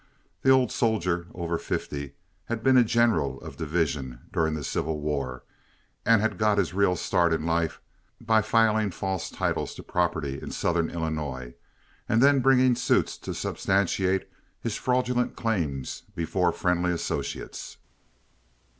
The old soldier, over fifty, had been a general of division during the Civil War, and had got his real start in life by filing false titles to property in southern Illinois, and then bringing suits to substantiate his fraudulent claims before friendly associates.